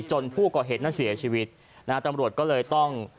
ผู้ก่อเหตุนั้นเสียชีวิตนะฮะตำรวจก็เลยต้อง